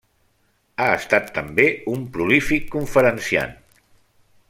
Ha estat també un prolífic conferenciant.